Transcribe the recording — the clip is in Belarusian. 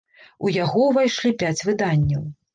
У яго ўвайшлі пяць выданняў.